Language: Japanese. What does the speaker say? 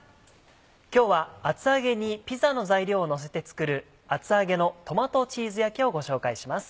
今日は厚揚げにピザの材料をのせて作る「厚揚げのトマトチーズ焼き」をご紹介します。